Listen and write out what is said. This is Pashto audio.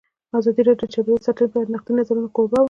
ازادي راډیو د چاپیریال ساتنه په اړه د نقدي نظرونو کوربه وه.